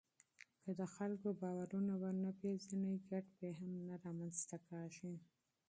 که د خلکو باورونه ونه پېژنې، ګډ فهم نه رامنځته کېږي.